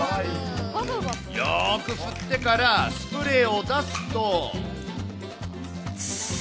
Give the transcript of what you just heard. よーく振ってから、スプレーを出すと。